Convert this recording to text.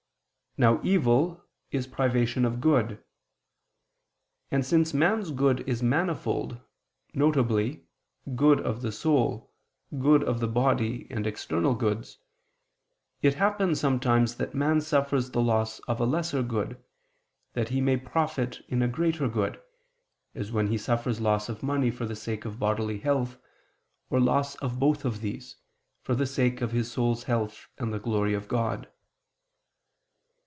Now evil is privation of good. And since man's good is manifold, viz. good of the soul, good of the body, and external goods, it happens sometimes that man suffers the loss of a lesser good, that he may profit in a greater good, as when he suffers loss of money for the sake of bodily health, or loss of both of these, for the sake of his soul's health and the glory of God.